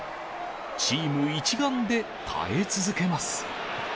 チーム一丸で耐え続けます。